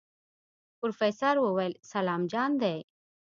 پروفيسر وويل سلام جان دی.